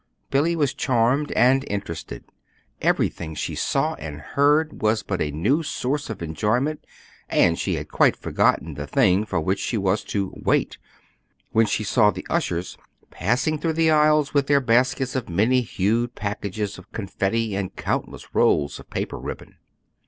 Billy was charmed and interested. Everything she saw and heard was but a new source of enjoyment, and she had quite forgotten the thing for which she was to "wait," when she saw the ushers passing through the aisles with their baskets of many hued packages of confetti and countless rolls of paper ribbon.